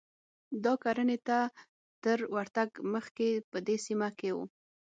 دا کرنې ته تر ورتګ مخکې په دې سیمه کې و